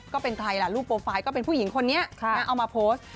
ก็เป็นใครล่ะรูปโปรไฟล์ก็เป็นผู้หญิงคนนี้เอามาโพสต์